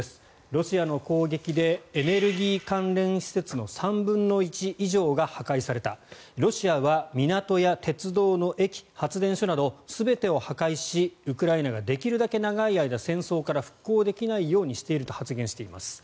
ロシアの攻撃でエネルギー関連施設の３分の１以上が破壊されたロシアは港や鉄道の駅発電所など全てを破壊しウクライナができるだけ長い間戦争から復興できないようにしていると発言しています。